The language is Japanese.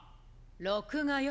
録画よ。